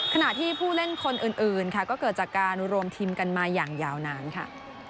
ขณะที่ผู้เล่นคนอื่นค่ะก็เกิดจากการรวมทีมกันมาอย่างยาวนานค่ะ